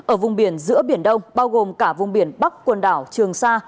ở vùng biển giữa biển đông bao gồm cả vùng biển bắc quần đảo trường sa